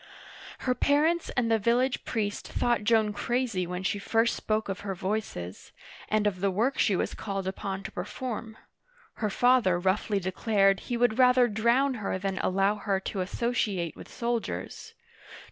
Her parents and the village priest thought Joan crazy when she first spoke of her voices, and of the work she was called upon to perform. Her father roughly declared he would rather drown her than allow her to associate with soldiers.